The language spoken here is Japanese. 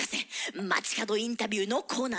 街角インタビューのコーナーでした。